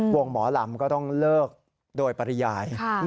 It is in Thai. วงหมอหลำก็ต้องเลิกโดยปริญญาณ